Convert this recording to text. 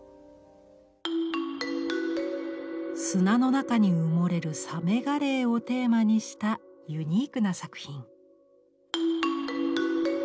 砂の中に埋もれるサメガレイをテーマにしたユニークな作品。